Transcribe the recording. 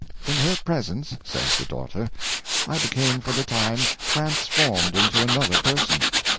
" In her presence/' says the daughter, *^ I be came for the time transformed into another person."